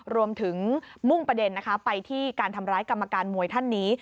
รวมถึงมุ่งประเด็นไปที่การทำร้ายกรรมการมวยท่านนี้